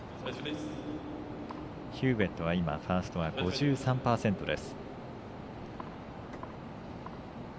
ヒューウェットはファーストは５３％です。